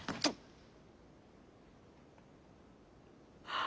ああ。